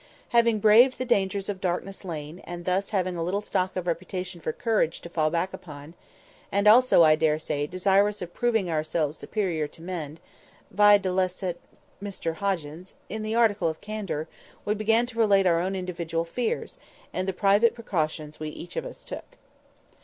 Having braved the dangers of Darkness Lane, and thus having a little stock of reputation for courage to fall back upon; and also, I daresay, desirous of proving ourselves superior to men (videlicet Mr Hoggins) in the article of candour, we began to relate our individual fears, and the private precautions we each of us took.